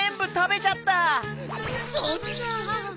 そんな。